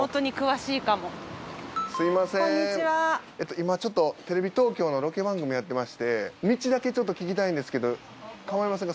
今ちょっとテレビ東京のロケ番組やってまして道だけちょっと聞きたいんですけどかまいませんか？